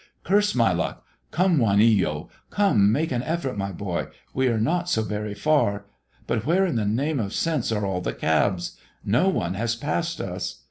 Curse my luck! Come, Juanillo, try; make an effort, my boy; we are not so very far. But where in the name of sense are all the cabs? Not one has passed us.